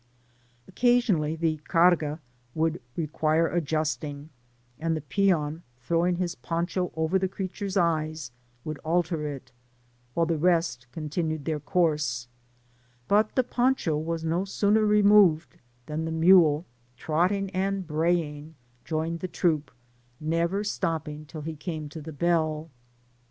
Occasionally the *' carga" would require adjusting, and the peon, throwing his poncho over the creature^s eyes, would alter it, while the rest continued their course, but the poncho was no sooner removed, than the mule, trotting and braying, joined the troop, never stopping till he came to the bell.